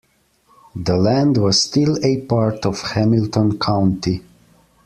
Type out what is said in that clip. The land was still a part of Hamilton County.